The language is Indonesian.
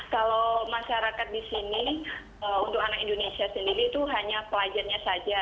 kalau masyarakat di sini untuk anak indonesia sendiri itu hanya pelajarnya saja